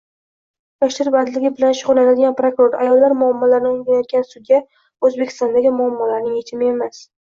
Yoshlar bandligi bilan shugʻullanadigan prokuror, ayollar muammolarini oʻrganayotgan sudya Oʻzbekistondagi muammolarning yechimi emas.